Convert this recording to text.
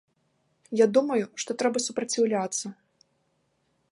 Я думаю, што трэба супраціўляцца.